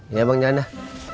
iya bang jannah